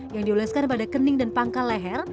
yang diulaskan pada kening dan pangkal leher